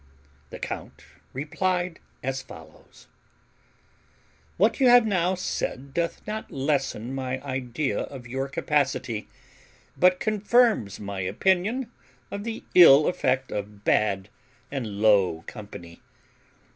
The count replied as follows: "What you have now said doth not lessen my idea of your capacity, but confirms my opinion of the ill effect of bad and low company.